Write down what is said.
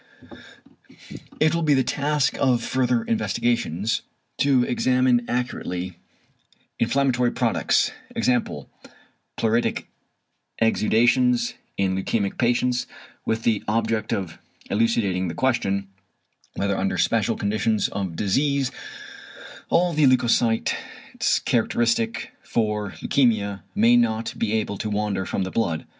It will be the task of further investigations to examine accurately inflammatory products, e.g. pleuritic exudations, in leukæmic patients, with the object of elucidating the question, whether under special conditions of disease all the leucocytes characteristic for leukæmia may not be able to wander from the blood.